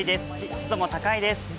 湿度も高いです。